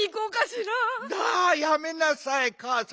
だやめなさいかあさん！